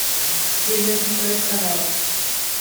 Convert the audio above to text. Wir sind stolz darauf.